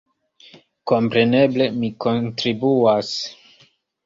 Kompreneble mi kontribuas.